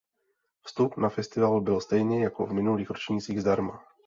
Vstup na festival byl stejně jako v minulých ročnících zdarma.